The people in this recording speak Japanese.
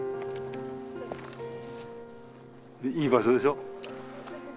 いい場所でしょ？